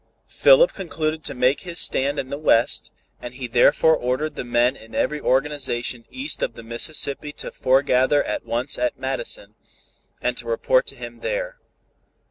Philip concluded to make his stand in the West, and he therefore ordered the men in every organization east of the Mississippi to foregather at once at Madison, and to report to him there.